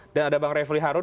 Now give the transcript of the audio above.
dan ada bang reveli harun